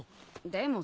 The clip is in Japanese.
でも